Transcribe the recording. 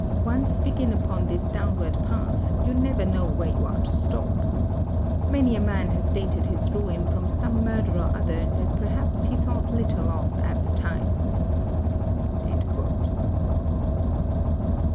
Once begin upon this downward path, you never know where you are to stop. Many a man has dated his ruin from some murder or other that perhaps he thought little of at the time."